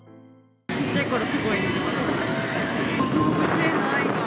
小さいころ、すごい見てました。